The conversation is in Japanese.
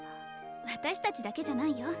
私たちだけじゃないよ。